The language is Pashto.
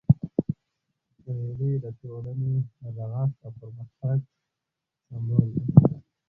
مېلې د ټولني د رغښت او پرمختګ سمبول دي.